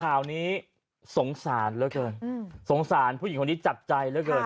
กล่าวนี้สงสารก็สงสารผู้หญิงตัวนี้จับใจ